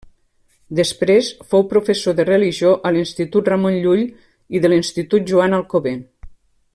Després, fou professor de religió a l'Institut Ramon Llull i de l'Institut Joan Alcover.